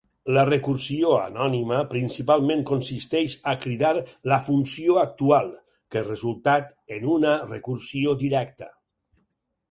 La recursió anònima principalment consisteix a cridar "la funció actual", que resultat en una recursió directa.